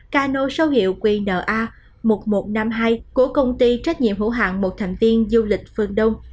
ca nô sâu hiệu qna một nghìn một trăm năm mươi hai của công ty trách nhiệm hữu hạng một thành viên du lịch phương đông